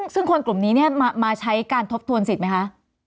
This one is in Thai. ซึ่งคนกลุ่มนี้มาใช้การทบทวนสิทธิไหมคะ